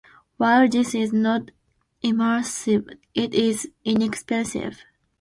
While this is not immersive, it is inexpensive.